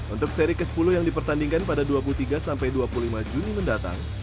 untuk seri ke sepuluh yang dipertandingkan pada dua puluh tiga sampai dua puluh lima juni mendatang